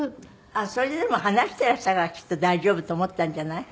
あっそれでも話していらしたからきっと大丈夫と思ったんじゃない？